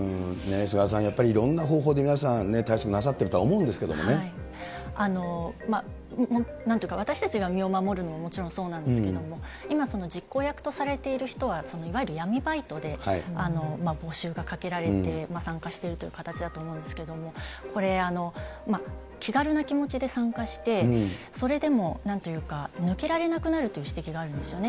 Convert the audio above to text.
菅原さん、やっぱりいろんな方法で皆さん対策なさっているとは思うんですけなんというか、私たちが身を守るのももちろんそうなんですけれども、今、実行役とされている人は、いわゆる闇バイトで募集がかけられて参加しているという形だと思うんですけれども、これ、気軽な気持ちで参加して、それでもうなんというか、抜けられなくなるという指摘があるんですよね。